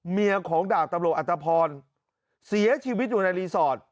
เมียของดาบตำรวจอัตภพรเสียชีวิตอยู่ในรีสอร์ท